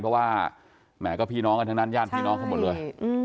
เพราะว่าแหมก็พี่น้องกันทั้งนั้นญาติพี่น้องเขาหมดเลย